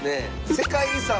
世界遺産を。